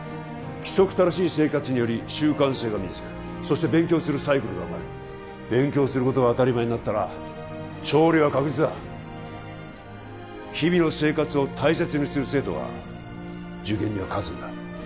規則正しい生活により習慣性が身につくそして勉強するサイクルが生まれる勉強することが当たり前になったら勝利は確実だ日々の生活を大切にする生徒が受験には勝つんだ